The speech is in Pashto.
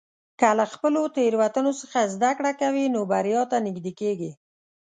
که له خپلو تېروتنو څخه زده کړه کوې، نو بریا ته نږدې کېږې.